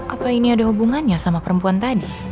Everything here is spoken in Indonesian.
apa ini ada hubungannya sama perempuan tadi